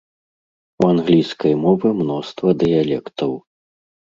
У англійскай мовы мноства дыялектаў.